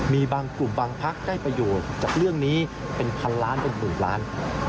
มีบางกลุ่มบางพักได้ประโยชน์จากเรื่องนี้เป็นพันล้านเป็นหมื่นล้าน